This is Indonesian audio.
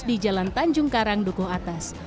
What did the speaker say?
di jalan tanjung karang dukuh atas